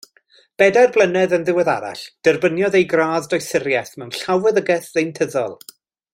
Bedair blynedd yn ddiweddarach derbyniodd ei gradd Doethuriaeth mewn Llawfeddygaeth Ddeintyddol.